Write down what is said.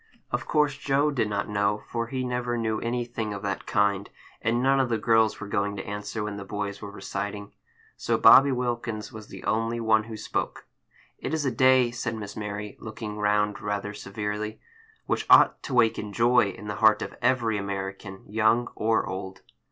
Of course Joe did not know, for he never knew anything of that kind; and none of the girls were going to answer when the boys were reciting. So Bobby Wilkins was the only one who spoke. "It is a day," said Miss Mary, looking round rather severely, "which ought to waken joy in the heart of every American, young or old."